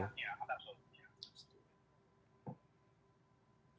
ya mas arsul